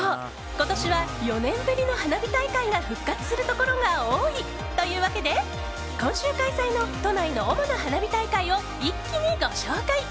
今年は４年ぶりの花火大会が復活するところが多い！というわけで今週開催の都内の主な花火大会を一気に、ご紹介。